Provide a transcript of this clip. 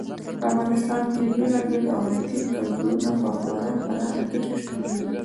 په افغانستان کې بېلابېل او رنګین کلتورونه په خورا پراخه کچه شتون لري.